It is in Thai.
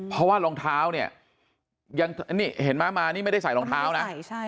เพราะว่ารองเท้าเนี่ยยังนี่เห็นไหมมานี่ไม่ได้ใส่รองเท้านะ